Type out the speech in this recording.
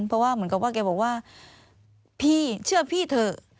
เพราะว่าเหมือนกับว่าแกบอกว่าพี่เชื่อพี่เถอะ